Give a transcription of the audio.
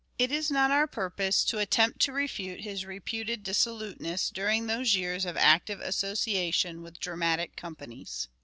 It is not our purpose to attempt to refute his reputed " Vulgar dissoluteness during those years of active association scandal with dramatic companies.